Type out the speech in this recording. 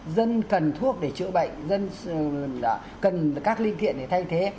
dân cần thuốc để chữa bệnh dân là cần các linh kiện để thay thế